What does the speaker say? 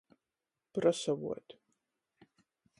Prasavuot.